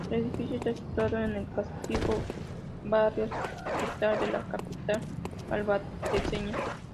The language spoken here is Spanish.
El edificio está situado en el castizo barrio Hospital de la capital albaceteña.